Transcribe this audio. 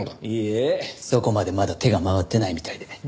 いえそこまでまだ手が回ってないみたいで。